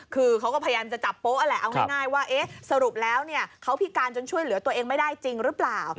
คือเขาก็พยายามจะจับโป๊ะแหละเอาง่ายว่าสรุปแล้วเขาพิการจนช่วยเหลือตัวเองไม่ได้จริงหรือเปล่า